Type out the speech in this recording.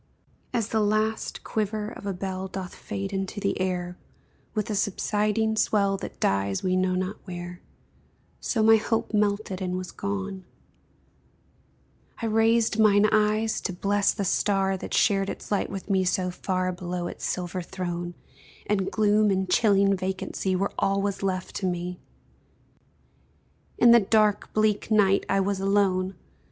As the last quiver of a bell Doth fade into the air, With a subsiding swell That dies we know not where, So my hope melted and was gone: I raised mine eyes to bless the star That shared its light with me so far Below its silver throne, And gloom and chilling vacancy Were all was left to me, In the dark, bleak night I was alone!